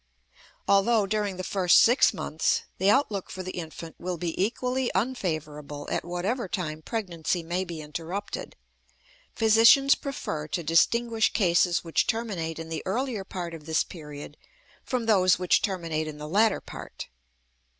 Although during the first six months the outlook for the infant will be equally unfavorable at whatever time pregnancy may be interrupted, physicians prefer to distinguish cases which terminate in the earlier part of this period from those which terminate in the latter part.